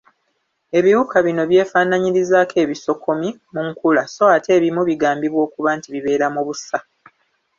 Ebiwuka bino byefaananyirizaako ebisokomi mu nkula so ate ebimu bigambibwa okuba nti bibeera mu busa.